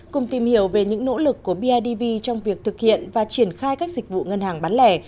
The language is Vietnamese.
cùng tìm hiểu về những nỗ lực của bidv trong việc thực hiện và triển khai các dịch vụ ngân hàng bán lẻ